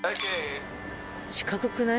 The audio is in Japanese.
四角くない？